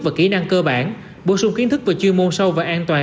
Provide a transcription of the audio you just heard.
và kỹ năng cơ bản bổ sung kiến thức về chuyên môn sâu và an toàn